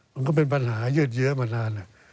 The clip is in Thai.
มันก็เป็นปัญหายืดเยอะมานาน